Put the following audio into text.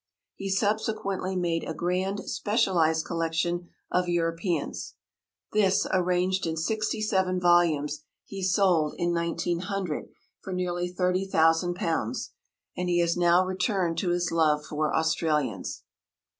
He subsequently made a grand specialised collection of Europeans. This, arranged in sixty seven volumes, he sold, in 1900, for nearly £30,000, and he has now returned to his love for Australians.